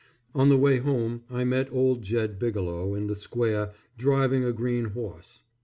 On the way home, I met old Jed Bigelow in the square driving a green horse.